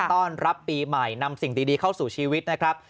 ต้อนรับปีใหม่นำสิ่งดีเข้าสู่ชีวิตนะครับ